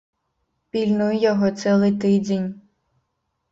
Пільнуй яго цэлы тыдзень.